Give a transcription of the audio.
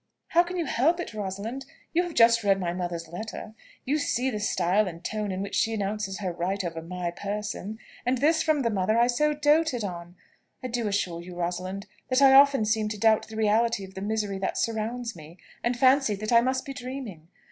"How can you help it, Rosalind? You have just read my my mother's letter: you see the style and tone in which she announces her right over my person; and this from the mother I so doated on! I do assure you, Rosalind, that I often seem to doubt the reality of the misery that surrounds me, and fancy that I must be dreaming.